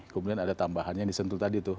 kemudian ada tambahan yang disentuh tadi tuh